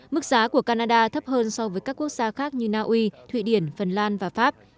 mức giá của canada thấp hơn so với các quốc gia khác như naui thụy điển phần lan và pháp